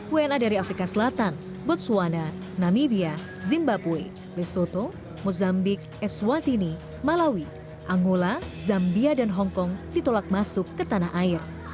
wna dari afrika selatan botswana namibia zimbabwe lesoto mozambik eswatini malawi angola zambia dan hongkong ditolak masuk ke tanah air